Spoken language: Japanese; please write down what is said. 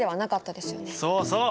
そうそう。